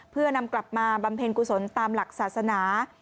เพื่อนำกลับมาบำเพ็ญกุศลตามหลักศาสนา